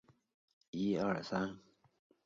本作舞台发生在京都府京都市伏见区。